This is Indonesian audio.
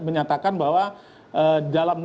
menyatakan bahwa dalam